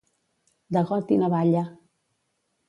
De got i navalla.